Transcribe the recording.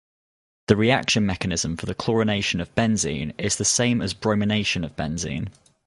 The reaction mechanism for chlorination of benzene is the same as bromination of benzene.